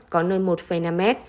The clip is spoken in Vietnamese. có nơi một năm m